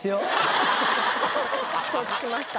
承知しました。